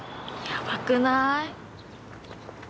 やばくない？